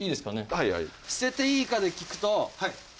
はいはい。